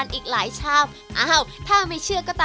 มีวันหยุดเอ่ออาทิตย์ที่สองของเดือนค่ะ